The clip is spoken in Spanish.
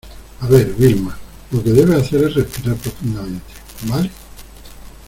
a ver, Vilma , lo que debes hacer es respirar profundamente ,¿ vale?